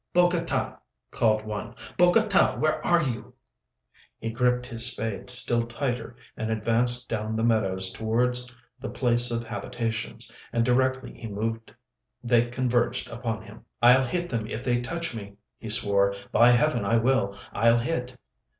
"Bogota!" called one. "Bogota! where are you?" He gripped his spade still tighter and advanced down the meadows towards the place of habitations, and directly he moved they converged upon him. "I'll hit them if they touch me," he swore; "by Heaven, I will. I'll hit."